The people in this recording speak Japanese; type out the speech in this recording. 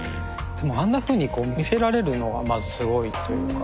でもあんなふうにこう見せられるのがまずすごいというか。